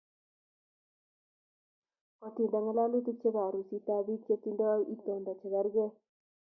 Kotinda ngalalutik chebo arusit ab bik che tindo itondo che kerke